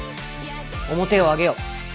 面を上げよ。